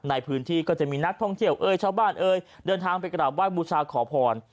ในพื้นที่ก็จะมีนักท่องเที่ยวเอ่ยชาวบ้านเอ่ยเดินทางไปกราบไห้บูชาขอพร